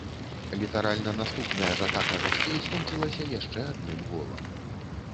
Літаральна наступная ж атака гасцей скончылася яшчэ адным голам.